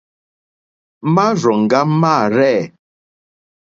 Márzòŋɡá mâ rzɛ̂.